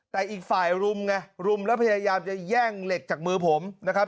แต่อีกฝ่ายรุมไงรุมแล้วพยายามจะแย่งเหล็กจากมือผมนะครับ